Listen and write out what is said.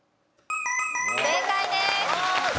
正解です。